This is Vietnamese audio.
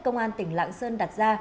công an tỉnh lãng sơn đặt ra